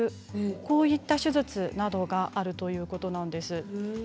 こういった手術などがあるということなんです。